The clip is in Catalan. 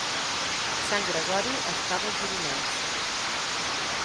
Sant Gregori es troba al Gironès